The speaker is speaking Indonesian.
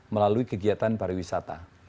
melalui kegiatan pariwisata